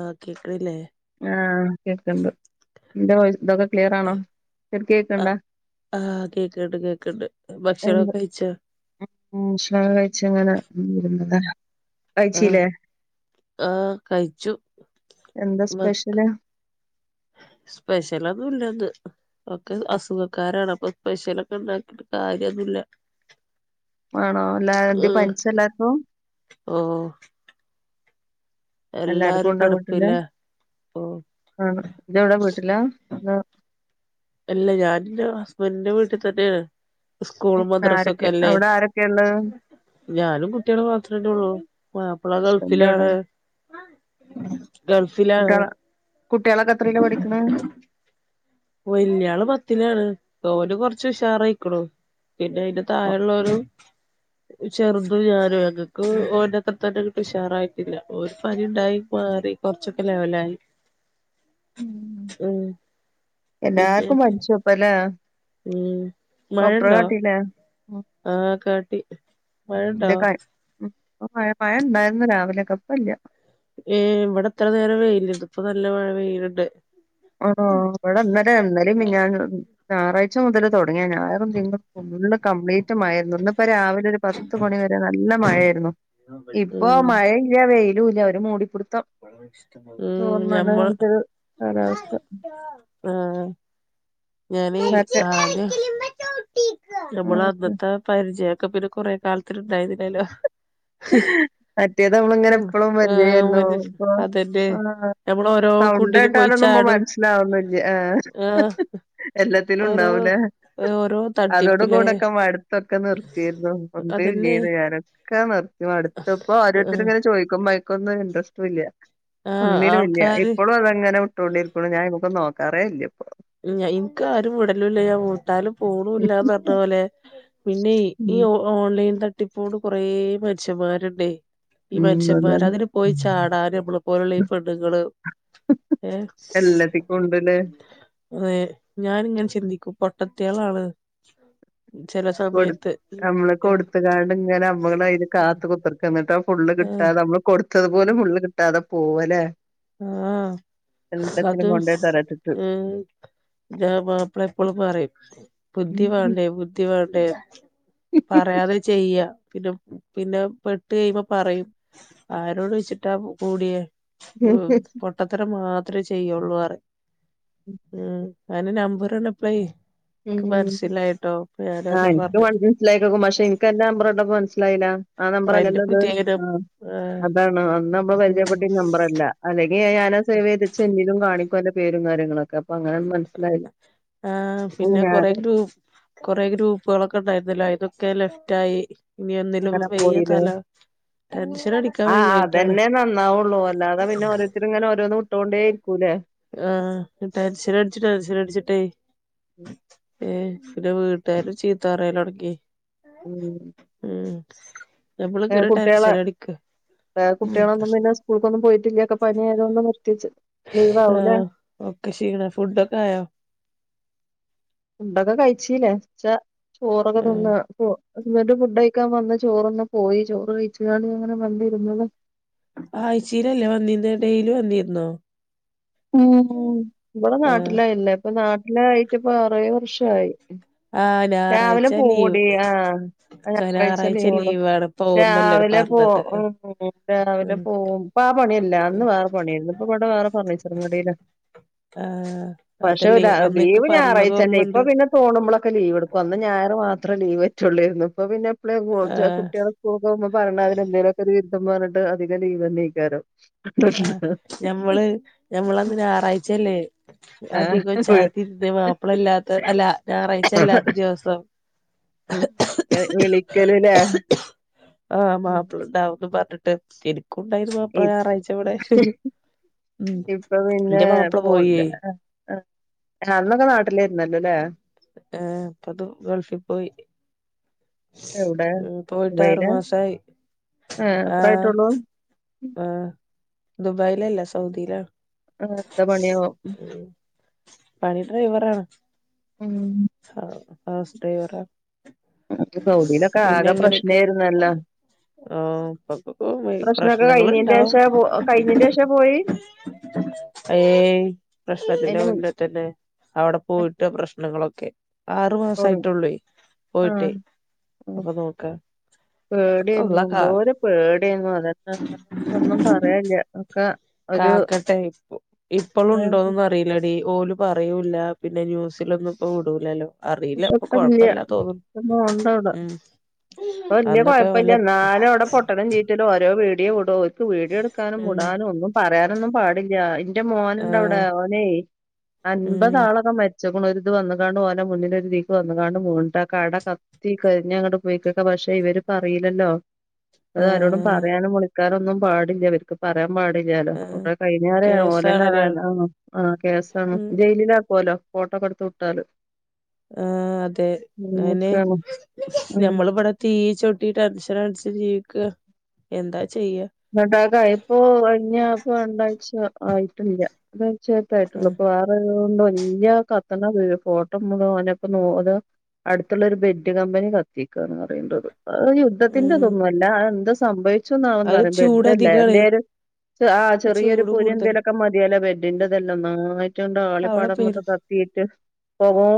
ആഹ് കേക്കണില്ലേ? ആഹ് കേക്കണ്ട് എന്റെ ഇതൊക്കെ ക്ലിയറാണോ ആഹ് കേക്കണ്ടാ? ആഹ് കേക്കണ്ട് കേക്കണ്ട് ഭക്ഷണക്കെ കഴിച്ചോ? ആഹ് ഭക്ഷണോക്കെ കഴിച്ചിങ്ങനെ [unintelligible] ആഹ് കഴിച്ചില്ലേ ആഹ് കഴിച്ചു എന്താ സ്പെഷ്യല്? സ്പെഷ്യലൊന്നുല്ല ഇന്ന് ഒക്കെ അസുഖക്കാരണ് അപ്പൊ പെഷ്യലൊക്കെ ഉണ്ടാക്കിട്ട് കാര്യമൊന്നുല്ല. ആണോ അല്ലാ എന്ത് പനിച്ചോ എല്ലാർക്കും? ഓ എല്ലാർക്കും ഉണ്ടോ വീട്ടില് കിടപ്പില്ലേ ഓഹ് ആഹ് ഇതവിടെ വീട്ടില? ഇല്ല ഞാനിന്റെ ഹസ്ബൻറിന്റെ വീട്ടിൽ തന്നെയാണ് സ്കൂൾ ഉം മദ്രസ ആരൊക്കെ ഒക്കെ അല്ലേ? അവിടെ ആരൊക്കെയാ ഇള്ളെ ഞാനും കുട്ടികാലും മാത്രല്ലെ ഉള്ളു മാപ്പിള ഹസ്ബൻഡ് എവിടെ ഗൾഫിലാണ്. ഗൾഫിലാണ്. കുട്ടികള് കുട്ടികളൊക്കെ എത്രയില് പഠിക്കണ്? വലിയാള് പത്തിലാണ് ഓന് കൊറച്ച് ഉഷാറായിക്കണു. പിന്നെ അതിന്റെ ഓ താഴുള്ള ഒരു ചെറുതും ഞാനും ഞങ്ങൾക്ക് ഓൻ്റെ അത്ര തന്നെ ഇങ്ങിട്ട് ഉഷാറായിട്ടില്ല ഒരു പനി ഉണ്ടായി മാറി. കുറച്ചൊക്കെ ലെവലായി. [inaudible] ഉം. പിന്നെ എല്ലാർക്കും പനിച്ചു ഇപ്പല്ലേ ഉം ഡോക്ടറെ മഴണ്ടോ കാട്ടീലേ? ആഹ് കാട്ടി മഴണ്ടോ? ഇന്റെ ക ഉം മഴ മഴ ഉണ്ടായിരുന്നു രാവിലെക്കെ ഇപ്പ ഇല്ല. ഏ ഇവിടെ ഇത്ര നേരം വെയിൽ ഇതിപ്പോ നല്ല മഴ പെയ്യുന്നുണ്ട്. ഹൊ ഹൊ ഇവിടെ ഇന്നലെ ഇന്നലെം മിനിയാന്നും ഞായറാഴ്ച മുതൽ തുടങ്ങിയാ ഞായറും തിങ്കളും ഫുള്ള് കംപ്ലീറ്റ് മഴയായിരുന്നു ഇന്ന് ഇപ്പ രാവിലെ ഒരു പ പത്ത് മണിവരെ നല്ല മഴായിരുന്നു ഇപ്പൊ ഉം മഴയില്ല വെയിലൂല്ല ഒരു മൂടിപ്പിടുത്തം. ഉം തോർന്നുള്ള ഞമ്മൾ നമുക്കൊരു കാലാവസ്ഥ ആഹ്. ഞാന് ഇതൊക്കെ ആഹ് നമ്മള ഉം അന്നത്തെ പരിചയം ഒക്കെ പിന്നെ കൊറെ കാലത്തിനുണ്ടായിരുന്നില്ലല്ലോ. മറ്റേത് നമ്മളിങ്ങനെ എപ്പളും പരിചയായിരുന്നോ ഇപ്പ അതന്നെ ആ നമ്മള് ഓരോ കുണ്ടില് പോയി സൗണ്ടേട്ടാലൊന്നും ഇപ്പ ചാടും മനസ്സിലാവുന്നില്ല ആഹ് ആഹ് എല്ലാത്തിലും ഓരോ ഉണ്ടാവൂലേ ഓരോ അതോട തട്ടിപ്പിലെ കൂടെക്കെ മട്ത് തൊക്കെ നിർത്തിയരുന്നു ഒന്നും അതന്നെ ഇലേർന്ന് ഞാനൊക്കെ നിർത്തി മ ടുത്തപ്പോ ആഹ് ഓരോരുത്തരിങ്ങനെ ചോയ്ക്കുമ്പോഴക്കൊന്നും ഇൻട്രസ്റ്റ ല്ല ആഹ് ഒന്നിനും ഇല്ല ആൾക്കാര് എപ്പോഴും അതങ്ങനെ ട്ടൊടിരിക്കള്ളു ഞാനൈമക്കൊന്നും നോക്കാറേ ഇല്ല ഇപ്പോ ഇൻക്ക് ആരും വിടലുംല്ല ഞാൻ വിട്ടാലും പോണില്ലന്ന് പറഞ്ഞ പോലെ പിന്നെ ഉം ഈഓ ഓൺലൈൻ തട്ടിപ്പോട് കുറെ മനുഷ്യന്മാരുണ്ടേ ഈ ഉം മനുഷ്യന്മാര് അതാണ് അങ്ങനെ പോയി ചാടാന് നമ്മെ പോലെയുള്ള ഈ പെണ്ണുങ്ങള് ഏഹ് എല്ലത്തിക്കും ഉണ്ട് ല്ലേ അതെ ഞാനിങ്ങനെ ചിന്തിക്കും പൊട്ടത്തിയൾ ആണ് എന്ന് ചെല സമയ കൊട് നമ്മള് കൊട്ത്ത് ങ്ങാണ്ട് ഇങ്ങനെ നമ്മള്‌ അയിന് കാത്ത് കുത്ത്റ്ക്ക എന്നിട്ടൊ ഫുള് ആഹ് കിട്ടാതെ നമ്മള് കൊടുത്തത് പോലും ഫുള് കിട്ടാതെ പോവല്ലെ ആഹ് അത് കൊണ്ടോയി തരട്ടിട്ട് ഉം ന്റ മാപ്ലള എപ്പോളും പറിം ബുദ്ധി വാണ്ടേ ബുദ്ധി വാണ്ടേ പറയാതെ ചെയ്യാ പിന്നെ പിന്നെ പെട്ട് കഴിയുമ്പോ പറയും ആരോട് ചോയിച്ചിട്ടാ കൂടിയേ ഓ പൊട്ടത്തരം മാത്ര ചെയ്യുള്ളൂറിയും ഉം അന്റെ നമ്പർ കണ്ടപ്ലേ ക്ക് ഉം മനസ്സിലായിട്ടോ ഞാനതാ പറഞ്ഞേ ലൈകക്കും പക്ഷെ ഇന്ക്ക് അന്റെ നമ്പറണ്ടപ്പോ മനസിലായില്ല. ആ അയിന്റെ നമ്പറല്ലല്ലോ ഇത് പുതിയ ഇനം ആ ആഹ് അതാണ് അന്ന് നമ്മള് ഉം പരിചയപെട്ടിന നമ്പറല്ല അല്ലെങ്കി ഞാനാ സേവയ്തച്ചങ്കിലും കാണിക്കും അന്റെ പേരും കാര്യങ്ങളൊക്കെ അപ്പൊ അങ്ങനെ ഒന്നും മനസ്സിലായി ആ പിന്നെ കൊറെ ഗ്രൂ കുറെ ഗ്രൂപ്പുകളൊക്കെ ഉണ്ടായിരുന്നല്ലോ അയിന്നോക്കെ ലെഫ്റ്റയി ഇനി ഒന്നിലും അങ്ങനെ വെയ്യ തല ടെൻഷനടിക്ക ആഹ് അതന്നെ നന്നാവുള്ളൂ അല്ലാതെ പിന്നെ ഓരോരുത്തരി ങ്ങനെ ഓരോന്നും വിട്ടോണ്ട് രിക്കൂല്ലേ ആഹ് ടെൻഷനട് ച്ച് ടെൻഷൻ ച്ചിട്ടേ ഏ പിന്നെ വീട്ടാരുംചീത്തപറയലോടങ്ങി ഉം ഉം നമ്മള് ഏ, ങ്ങനെ കുട്ടികളെ ടെൻഷനടിക്ക് ഏ, ഉം കുട്ടികളൊന്നും പിന്നെ സ്കൂൾക്കൊന്നും പോയിട്ടില്ല പനിയായതൊണ്ട് നിർത്ത്യ ച്ച് ആഹ് ഓക്കെ ക്ഷീണാ ഫുഡ് ഒക്കെ ആയോ ഫുഡോക്കെ കഴിച്ചില്ലേ ഉച്ച ചോറൊക്കെ ആഹ് തിന്ന് പോ ഇങ്ങട്ട്ഫുഡ്ഴിക്കാൻ വന്ന് ചോറ്ന്ന് പോയി ചോറ് കഴിച്ങ്ങാണ്ട് ങ്ങനെ വന്നിരുന്നത ആയ് ചീലല്ലേ വന്നിനെ ഡെയ്‌ലി വന്നിനോ ഉം ഇവിടെ ആഹ് നാട്ടിലായില്ലേ ഇപ്പ നാട്ടിലായിട്ട്ഇപ്പ അറേ ഏഴ്‌വർ ഷായി ആഹ് രാവിലെ ഞായറാഴ്ച ലീവ് പോവ്യടി ആഹ് ഞാറാഴ്ച ഞായറാഴ്ച ലീവോള്ളൂ ലീവാണ് ഇപ്പൊ ഓർമ്മയില്ല രാവിലെ പോ പറഞ്ഞത് ഉ രാവിലെ ഉം പോവും പ്പാ ആ പണിയല്ല അന്ന് വേറെ പണിയേന്നു ഇപ്പ ഇവിടെ വേറെ ഫർണീച്ചറും കടേലാ ആഹ് പക്ഷെ അതല്ലേ ല അന്നക്ക് ലീവ് പറഞ്ഞത് ഞാറാഴ്ച്ച തന്നെയാ ഇപ്പൊ ഓർമ്മണ്ട് പിന്നെ തോണുമ്പളൊക്കെ ലീവ് എടുക്കും അന്ന് ഞായറ് മാത്രേ ലീവ് പറ്റൂള്ളേരുന്നു ഇപ്പൊ പിന്നെ ഇപ്ലേ ആഹ് പോള്ച്ചകുട്ട്യേള് സ്കൂള്ക്കോകുമ്പോ പറേണ അതിനെന്തേലോക്കെ ഒരു വിരുദ്ധം പറഞ്ഞിട്ട് അധികം ലീവന്നേ മിക്കവാറും ആഹ് ഞമ്മള് ഞമ്മളന്ന് ഞാറാഴ്ച്ചയല്ലേ അധികം ചാറ്റി ഇർന്നത് മാപ്ലള ഇല്ലാത്ത അല്ല ഞായറാഴ്ച അല്ലാത്ത ദിവസം വിളിക്കലല്ലേ ആഹ് മാപ്ലണ്ടാവുന്ന് പറഞ്ഞിട്ട് എനിക്കുംണ്ടായിരുന്ന അപ്ലാ ഇപ്പ ഞാറാഴ്ച ഇപ്പൊ പിന്നെ എന്റെ മാപ്പിള ഫോൺ പോയേ [unintelligible] ആഹ് ആഹ് അന്നൊക്കെ നാട്ടിലായിരുന്നല്ലോല്ലേ ആഹ് ഇപ്പതു ഗൾഫി പോയി എവിടെ ഉം പോയിട്ട് ആറു ദുബൈയിലാ മാസായി ആഹ് അത്രായിട്ടൊള്ളൂ ആഹ് ദുബായിലല്ല സൗദിയിലാ ആഹ് അത്ത പണിയാവും പണി ഡ്രൈവറാണ് ഉം ആഹ് ഹൗസ് ഡ്രൈവറാ സൗദിയിലൊക്കെ ആകെ പിന്നെങ്ങനെക്കെ പ്രശ്നമായിരുന്നല്ലോ ഓഹ് ഇപ്പൊക്കപ്പോ പ്രശ്നമൊക്കെ കഴിഞ്ഞതിന്റെ പ്രശ്നങ്ങളുണ്ടാവും ശേഷം കഴിഞ്ഞതിന്റെ ശേഷം പോയി ഏയ്‌ പ്രശ്നത്തിന്റെ അതിന്റെ മുന്നേ തന്നെ അവിടെ മുന്നേ പോയിട്ട് പ്രശ്നങ്ങളൊക്കെ ആറു മാസയിട്ടുള്ളേ ആഹ് പോയിട്ടേ അപ്പൊ നോക്കാ പേടിയാരുന്നു എന്തോര പേടി [unintelligible] അതക്കെ ഒന്നും പറയാനില്ല ഒക്കെ ഒരു കാക്കട്ടെ ഇപ്പോ ഇപ്പോളും ഇല്ല ഉണ്ടോന്നൊന്നും അറിയില്ലടി ഓല് പറയൂല്ല പിന്നെ ന്യൂസിലൊന്നും ഇപ്പോ വിടൂലല്ലോ അറിയില്ല ഇപ്പൊ കൊഴപ്പല്ല [unintelligible] തോന്നുന്നു ഉണ്ടവിടെ ഉം പ്പ വല്ല്യ അന്നൊക്കെ കൊഴപ്പില്ല വല്ല എന്നാനും അവിടെ പൊട്ടലും ചീ റ്റല് ഓരോ വീഡിയോ വിടോ ഓക്ക് വീഡിയോ എടുക്കാനും ഉം മുടാനും ഒന്നും പറയാനൊന്നും പാടില്ലാ [unintelligible] എന്റെ ആ മോനുണ്ട് അവിടെ ഓനെ ഉം അൻപതാളൊക്കെ മരിച്ചിക്കുണു ഒരിത് വന്ന് കാണ്ട് ഓനെ മുന്നില് ലേക്ക് വന്ന്ങ്ങാണ്ട് മൂൺട്ട കട കത്തി കഴിഞ്ഞങ്ങ്ട് പോയിക്കക്കെ പക്ഷെ ഇവര് പറയില്ലല്ലോ അത് ആ ആരോടും പറയാനും വുളിക്കാനൊന്നും പാടില്ല അവർക്ക് പറയാൻ പാടില്ലാലോ ആ [unintelligible] കഴിഞ്ഞാര ഓലന്നെ കേസാണല്ലോ [unintelligible] ആഹ് കേസാണ് ഉം ജയിലിലാക്കുവല്ലോ ഫോട്ടോക്കെടുത്ത് വിട്ടാല് ആഹ് അതെ അയിന് അങ്ങനെയൊക്കെയാണ് ഉം ഞമ്മളിവിടെ തീയി ചവിട്ടീട്ട് ടെൻഷനടിച്ച് ജീവിക്കുവാ എന്താ ചെയ്യാ ന്ന്ണ്ടാകാ അയിപ്പോ കഴിഞ്ഞ അപ്പ രണ്ടാഴ്ച്ച ആയിട്ടില്ല എന്താച്ചാ ക്ക്യായിട്ടുള്ളൂ ഉം ഇപ്പൊ വേറെ അത് കൊണ്ട് വല്ല്യ കത്തണ വീ ഫോട്ടോ മുഴുവനൊക്കെ നോ അത് അടുത്തുള്ളൊരു ബെഡ് കമ്പനി കത്തിക്കാന്ന് പറയേണ്ടത് ആഹ് യു ഉം ദ്ധത്തിന്റെതൊന്നും അല്ലാ അതെന്തോ സംഭവിച്ചൂന്ന് ആന്ന് അത് പറയും ചൂട് ബെഡല്ലേ എ അധികാണ് ആഹ് ചെറിയൊരു ചൂട് പുരി കൂടുതൽ എന്തേലൊക്കെ മതിയല്ലേ ബെഡിന്റെതെല്ലാം നായി റ്റണ്ട് അവിടെ ആളിപ്പടർന്നൊക്കെ പെരും കത്തിയിട്ട്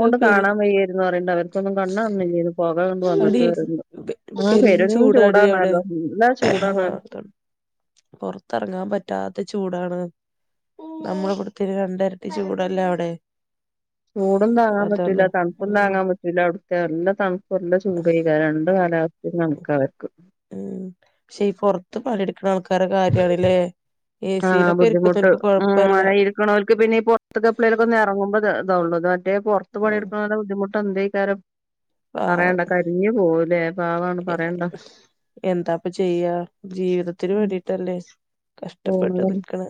അത് പെരും കാണാൻ വയ്യായിരുന്നു പറയണ്ട് അവർക്കൊന്നും കണ്ണ് കാണുന്നില്ലാരുന്നു പോകാ കൊണ്ട് വന്നിട്ട് അടി വരുന്നു ഉം പെരും ചൂടാടി അവിടെ ചൂടാണാലോ നല്ല ചൂടാണ് ഓല്ക്ക് അതാണ് പൊറത്തിറങ്ങാൻ പറ്റാത്ത ചൂടാണ് നമ്മളിവിടുക്കൊരു രണ്ടെരട്ടി ചൂടല്ലേ അവിടെ ചൂടും താങ്ങാൻ അതാണ് പറ്റൂല്ല തണുപ്പും ഉം താങ്ങാൻ പറ്റൂല്ല അവിടുത്തെ നല്ല തണു കൊല്ല ചൂട് ചെയക രണ്ട് കാലാവസ്ഥയും കണക്കാ അവർക്ക് ഉം പക്ഷെ ഈ പൊറത്ത് പണിയെടുക്കണ ആൾക്കാരെ കാര്യാണല്ലേ ആഹ് ബുദ്ധിമുട്ട് ഉം [unintelligible] ക്കണോല്ക്ക് പിന്നെ ഈ പൊറത്തെക്കെപ്പളോലൊക്കെ ഇറങ്ങുമ്പോ ഇത ഉള്ളൂത് മറ്റേ പൊറത്ത് പണി ഉം എടുക്കലോലെ ബുദ്ധിമുട്ട് ട്ടന്തക്കാരം പാവം പറയണ്ട കരിഞ്ഞു പോവൂലേ പാവാണ് പറയണ്ട എന്താപ്പൊ ചെയ്യാ ജീവിതത്തിന് വേണ്ടിട്ടല്ലേ കഷ്ടപ്പെട്ട് പോണതല്ലേ ന്ന്ക്ക്ണ്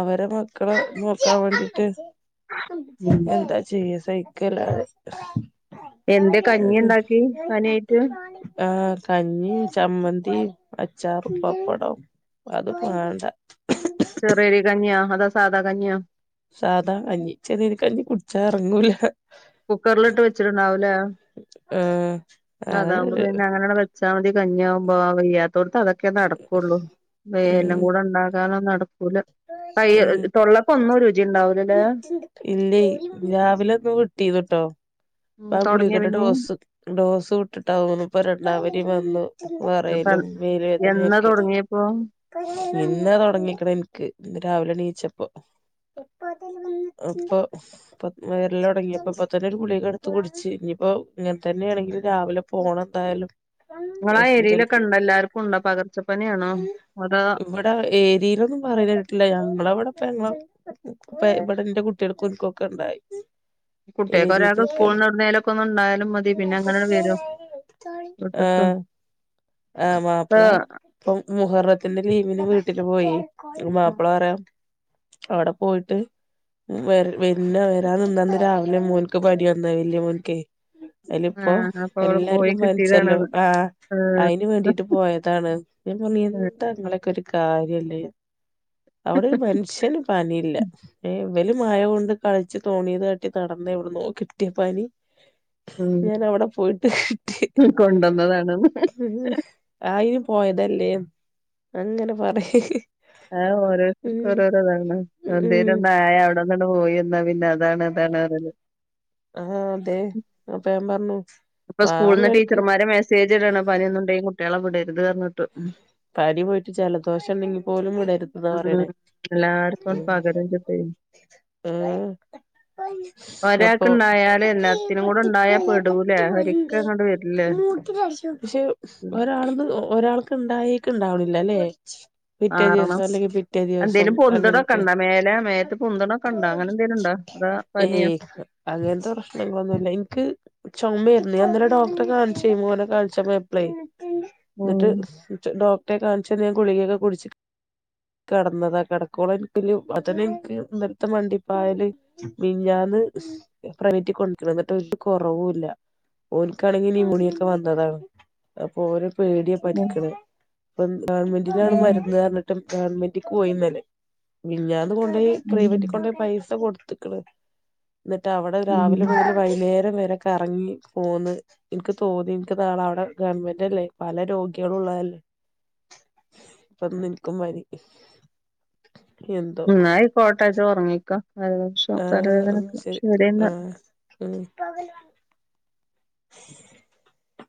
അവരെ മക്കളെ നോക്കാൻ വേണ്ടിട്ട് ഉം എന്താ ചെയ്യ സൈക്കല്ലാതെ എന്തെ കഞ്ഞിയാണ്ടാക്കി പനി അയ്റ്റ് ആഹ് കഞ്ഞി, ചമ്മന്തി, അച്ചാറു പപ്പടം അതും മാണ്ട ചെറിയരി കഞ്യോ അതാ സാധാ കഞ്യോ സാദാ കഞ്ഞി ചെറിയരി കഞ്ഞി കുടിച്ചാ എറങ്ങൂല കുക്കറിലിട്ട് വെച്ചിട്ടുണ്ടാവൂലേ ആഹ് അതാകുമ്പോ അത് പിന്നെ അങ്ങന ആണ്ട് ച്ചാമതി കഞ്ഞിയാവുമ്പോ വയ്യാ ത്തോട്ത്ത് അതൊക്കെ നടക്കൊള്ളൂ വ എല്ലം ഉം കൂടെ ഇണ്ടാകാനോന്നടക്കു ക്കൂല അയ് ഉം തൊള്ളക്കൊന്നും രുചിണ്ടാവൂലല്ലേ ഇല്ലേയ് രാവിലെ ഒക്കെ വിട്ടീന്ന്ട്ടോ ഉം പ്പൊ ആ തൊടങ്ങിയ ഗുളികടെ പിന്നെ ഡോസ് ഡോസ് വ്ട്ട്ട്ടാതോന്ന്ണ് ഇപ്പൊ രണ്ടാം പനിം വന്നു ഇപ്പ വെറയലും എന്നാ മേൽവേദനയൊക്കെ തൊടങ്ങിയപ്പോ ഇന്നാ തൊടങ്ങിക്ക്ണെ ഇനക്ക് ഇന്ന് രാവിലെ ണീച്ചപോ അപ്പൊ ഇപ്പ വെര്ലൊടങ്ങിയപ്പൊ അപ്പതന്നെ ഒരു ഗുളിക ഇട് ത്ത് കുടിച്ച് ഇനിയിപ്പോ ഇങ്ങനെ തന്നെയാണെങ്കിൽ രാവിലെ പോണം എന്തായാലും ങ്ങളെ ആഹ് ഹോസ്പിറ്റൽക്ക് ഏരിയയിലൊക്കെണ്ടോ എല്ലാർക്കുംണ്ടോ പകർച്ചപ്പനിയാണോ അതോ ടെ ഏരിയയിലൊന്നും പറയിണേട്ട്ല ഞങ്ങളവിടെപ്പ ഞങ്ങളാ പ്പെ ഇവിടെ ന്റെ കുട്ടിയേള്ക്കും ഇൻകൊക്കെണ്ടായി കുട്ടിയാകൊരാക്ക് സ്കൂൾന്നെവ്ട്ന്നേലൊക്കെന്ന് ണ്ടായാലും മതി പിന്നെ അങ്ങനെണ് വരും വീട്ട്ക്ക് ആഹ് ആഹ് ഇപ്പ മാപ്പള ഇപ്പം മുഹറത്തിന്റെ ലീവിന് വീട്ടില് പോയെയ് അപ്പൊ മാപ്പിള റ്യാ അവിടെ പോയിട്ട് വെര് വെല്ല വരാന്നിന്നന്ന് രാവിലെ മോന്ക് പനി വന്ന് വല്യേ മോൻക്കേയ് അയ്ല് പ്പോ ആഹ് അപ്പൊ അവിടെ പോയി എല്ലാര്ക്കും പനിച്ചല്ലോ കിട്ടിയതാണ്ന്ന് ആഹ് ഏഹ് അയ്ന് വേണ്ടിട്ട് പോയതാണ് ഞാൻ പറഞ്ഞ് ഉം എന്താങ്ങളൊക്കെ ഒരു കാര്യല്ലേ അവ്ടെ ഒരു മനുഷ്യന് പനിയില്ല ഏഹ് ഇവല് മയ കൊണ്ട് കളിച്ചു തോണിയതാട്ടി നടന്ന് എവിട്ന്നോ കിട്ടിയപ്പനി ഞാനഅവിടെ പോയിട്ട് കിട്ടി കൊണ്ടെന്നതാണ്ന്ന് ഇഹ് ഹ് ആയിന് പോയതല്ലേ അങ്ങനെ പറിം ആഹ് ഓരോരുത്തർക്കും ഓരോരോതാണ് ഉം എന്തേലുവൊന്നായ അവിടെന്നാണ് പോയിന്നാ പിന്നെ താണ് താണ് റേല് ആഹ് അതെ അപ്പോ ഞ പറഞ്ഞു ഇപ്പൊ സ്കൂളിന്ന് വേറെള്ളോൽക്ക് ടീച്ചർമാര് മെസേജ് ഇടാണ് പനിയൊന്നുണ്ടെ കുട്ടിയാളെ വിടരുത് പറഞ്ഞിട്ട് പനി പോയിട്ട് ജലദോഷണ്ടെങ്കിൽ പോലും വിടരുത് ന്ന പറയണേ ഉം പകരു ച്ച്ട്ടെയ് ആഹ് അപ്പൊ ഒരാൾക്ക് ഇണ്ടായാല് [unintelligible] എല്ലാത്തിനും കൂടെ പക്ഷേ ഉണ്ടായാ പെടൂലേ ഒരിക്ക അങ്ങോട്ട് വരില്ലേ ഉം. കാണുമ്പോ ഒരാൾക്ക് ഇണ്ടായേക്ക് ഇണ്ടാവണില്ലല്ലേ പിറ്റേ ദിവസം മാറണം അല്ലെങ്കി പിറ്റേ ദിവസം എന്തേലും പൊന്തണൊക്കെ അങ്ങനൊക്കെ ഇണ്ടാ മേലെ മേത്ത് പൊന്തണൊക്കെ ഇണ്ടാ അങ്ങനെ എന്തേലും ഇണ്ടാ അതാ പനിയോ ഏയ് ഹ് അങ്ങനത്തെ പ്രശ്നങ്ങളൊന്നുല്ല ഇൻക്ക് ചൊമേര്ന്നേ ഞാന് ഇന്നലെ ഡോക്ടറെ കാണിച്ച് മോനെ കാണിചപോ പ്ലെയ് ഉം ന്നട്ട് ഡോക്ടറെ കാണിച്ച് ഞാന് ഗുളികൊക്കെ കുടിച്ചി കെട്ന്നതാ കെടക്കോളം ഇൻക്ക് [unintelligible] ഇൻക്ക് ഇന്നല്ത്തെ മണ്ടിപ്പായല് മിനിഞ്ഞാന്ന് പ്രൈവറ്റി കൊണ്ട് വന്ന്ട്ട് ഒര് കൊറവുല്ല ഓനിക്കാണെങ്കി നീമോണിയൊക്കെ വന്നതാണ് അപ്പൊ ഓന് പേടിയ ഉം പനിക്കണേ ഇപ്പം ഗവൺമെൻറ്റിലാണ് ഉം മരുന്ന് റഞ്ഞിട്ട് ഗവൺമെന്റക് പോയി ന്നലെ മിൻഞ്ഞാന്ന് കൊണ്ടോയി പ്രൈവറ്റ് കൊണ്ടോയി പൈസ കൊടുത്ക്ക്ണ് എന്നിട്ട് അവിടെ ഉം രാവിലെ ഉം മുതല് വൈന്നേരം വരെ കറങ്ങി പോന്ന് എനിക്ക് തോന്നി എനിക്ക് നാളെ അവിടെ ഗവൺമെന്റ് അല്ലേ പല രോഗികളും ഉള്ളതല്ലേ ഇപ്പന്ന് എനിക്കും പനി എന്തോ എന്നായികോട്ടെ ജ്ജ് ഉറങ്ങിക്കൊ ജലദോഷം ആഹ് തലവേദനോക്കെ ശരി ശെരിന്നാ ആഹ് ഉം